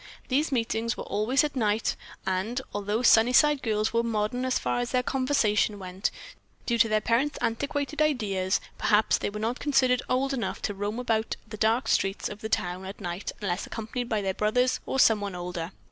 These meetings were always at night, and, although Sunnyside girls were modern as far as their conversation went; due to their parents' antiquaited ideas, perhaps, they were not considered old enough to roam about the dark streets of the town at night unless accompanied by their brothers or someone older.